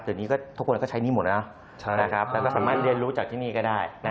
เดี๋ยวนี้ทุกคนก็ใช้หนี้หมดแล้วแล้วก็สามารถเรียนรู้จากที่นี่ก็ได้